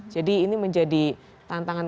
jadi ini menjadi tantangan